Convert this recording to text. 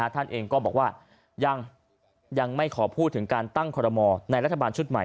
ท่านเองก็บอกว่ายังไม่ขอพูดถึงการตั้งคอรมอลในรัฐบาลชุดใหม่